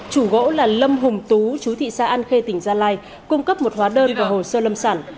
chủ gỗ là lâm hùng tú chú thị xã an khê tỉnh gia lai cung cấp một hóa đơn và hồ sơ lâm sản